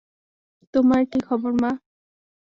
তোমার কি খবর, মা?